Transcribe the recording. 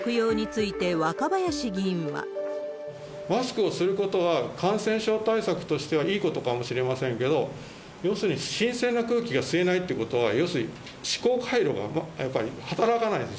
マスクをすることは、感染症対策としてはいいことかもしれませんけど、要するに新鮮な空気が吸えないってことは、要するに思考回路がやっぱり働かないんです。